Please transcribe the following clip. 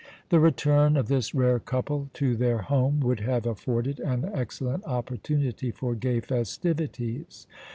The return of this rare couple to their home would have afforded an excellent opportunity for gay festivities.